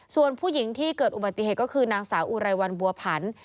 ส่วนผู้หญิงที่เกิดอุบัติเหตุก็คือนางสาวอุไรวันบัวผัน